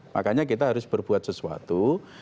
makanya kita harus berbuat sesuatu